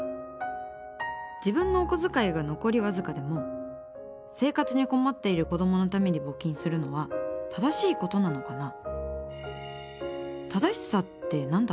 自分のお小遣いが残り僅かでも生活に困っている子どものために募金するのは正しいことなのかな？